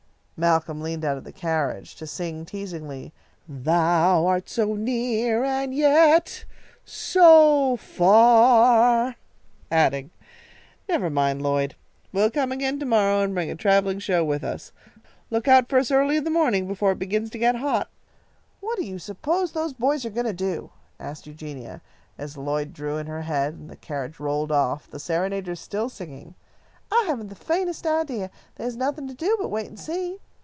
Malcolm leaned out of the carriage to sing, teasingly, "Thou art so near and yet so far," adding, "Never mind, Lloyd, we'll come again to morrow, and bring a travelling show with us. Look out for us early in the morning, before it begins to get hot." "What do you suppose those boys are going to do?" asked Eugenia, as Lloyd drew in her head, and the carriage rolled off, the serenaders still singing. "I haven't the faintest idea. There's nothing to do but wait and see."